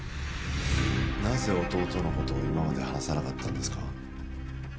なぜ弟のことを今まで話さなかったんですか？